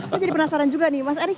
saya jadi penasaran juga nih mas erick